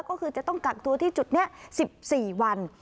ก็คือจะต้องกักตัวที่จุดนี้๑๔วัน